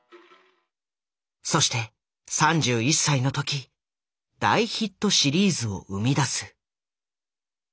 そして３１歳の時大ヒットシリーズを生み出す。